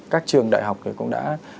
các trường đại học cũng đã